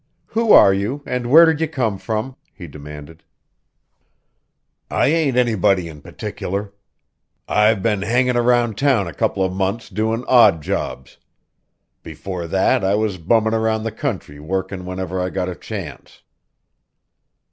"Who are you and where did you come from?" he demanded. "I ain't anybody in particular. I've been hangin' around town a couple of months doin' odd jobs. Before that I was bummin' around the country workin' whenever I got a chance."